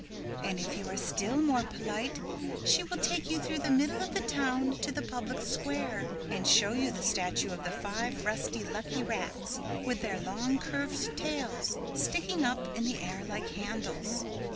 And if you are still more polite she will take you through the middle of the town to the public square and show you the statue of the five rusty lucky rats with their long curved tails sticking up in the air like handles.